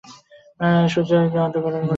সুচরিতার অন্তঃকরণ কুণ্ঠিত হইয়া পড়িল।